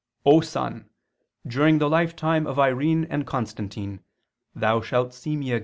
O sun, during the lifetime of Irene and Constantine, thou shalt see me again" [*Cf.